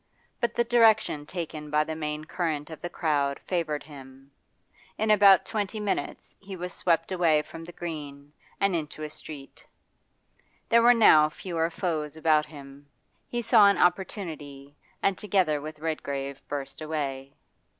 But the direction taken by the main current of the crowd favoured him. In about twenty minutes he was swept away from the Green, and into a street. There were now fewer foes about him; he saw an opportunity, and together with Redgrave burst away.